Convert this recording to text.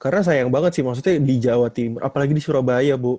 karena sayang banget sih maksudnya di jawa timur apalagi di surabaya bu